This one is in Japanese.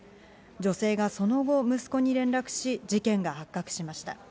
女性がその後、息子に連絡し、事件が発覚しました。